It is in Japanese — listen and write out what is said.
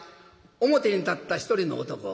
表に立った一人の男。